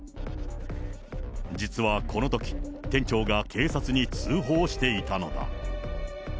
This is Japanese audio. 実はこのとき、店長が警察に通報していたのだ。